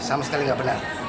sama sekali tidak benar